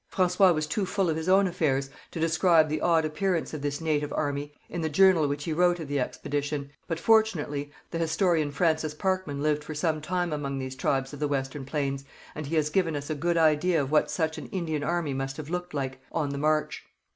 François was too full of his own affairs to describe the odd appearance of this native army in the journal which he wrote of the expedition, but fortunately the historian Francis Parkman lived for some time among these tribes of the western plains, and he has given us a good idea of what such an Indian army must have looked like on the march.